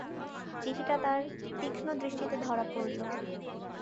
চিঠিটা তার তীক্ষদৃষ্টিতে ধরা পড়ল।